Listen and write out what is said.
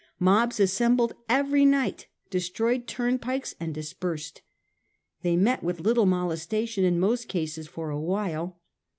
Mobs assembled every night, destroyed turnpikes, and dispersed. They met with little molestation in most cases for a while.